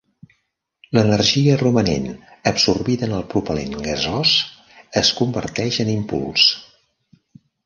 L'energia romanent absorbida en el propelent gasós es converteix en impuls.